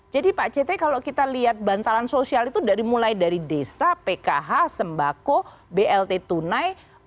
jadi pak cethe kalau kita lihat bantalan sosial itu mulai dari desa pkh sembako blt tunai